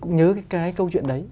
cũng nhớ cái câu chuyện đấy